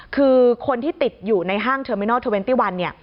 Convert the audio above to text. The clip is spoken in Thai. คือคนที่ติดอยู่ในห้างเทอร์มินัล๒๑